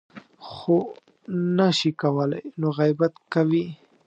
خو نه شي کولی نو غیبت کوي .